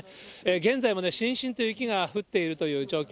現在もしんしんと雪が降っているという状況。